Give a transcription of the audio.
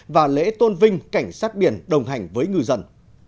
và lễ tôn vinh cảnh sát biển đồng hành với ngư dân